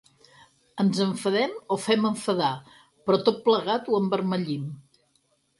Ens enfadem o fem enfadar, però tot plegat ho envermellim.